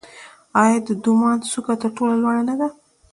آیا د دماوند څوکه تر ټولو لوړه نه ده؟